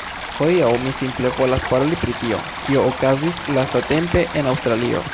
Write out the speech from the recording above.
Hodiaŭ mi simple volas paroli pri tio, kio okazis lastatempe en Aŭstralio